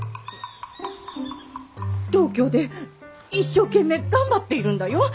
東京で一生懸命頑張っているんだよ。